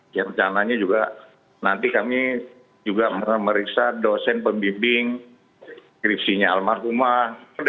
ya percayaannya juga nanti kami juga meriksa dosen pembimbing skripsinya almarhumah